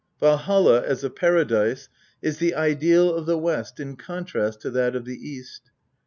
Valholl as a paradise is the ideal of the West in contrast to that of the East.